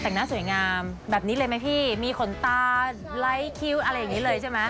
แต่งหน้าสวยงามแบบนี้เลยไหมพี่มีขนตาไร้คิ้วอะไรอย่างนี้เลยใช่ไหม